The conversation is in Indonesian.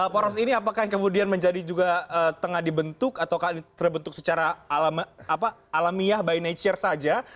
poros ini apakah yang kemudian menjadi juga tengah dibentuk atau terbentuk secara alamiah by nature saja